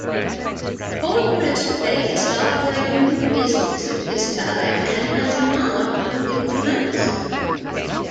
Fortress Re stopped writing new business at this time, and has not recommenced.